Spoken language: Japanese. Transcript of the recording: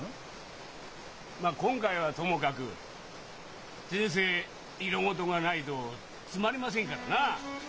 まあ今回はともかく人生色事がないとつまりませんからな。